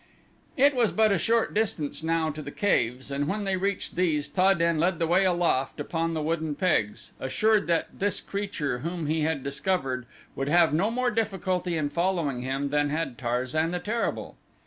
It was but a short distance now to the caves and when they reached these Ta den led the way aloft upon the wooden pegs, assured that this creature whom he had discovered would have no more difficulty in following him than had Tarzan the Terrible.